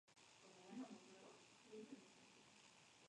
Era una gran aldea.